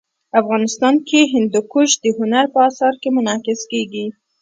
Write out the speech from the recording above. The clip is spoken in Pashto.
افغانستان کې هندوکش د هنر په اثار کې منعکس کېږي.